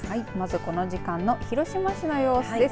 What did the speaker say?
この時間の広島市の様子です。